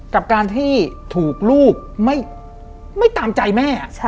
กับการที่ถูกลูกไม่ตามใจแม่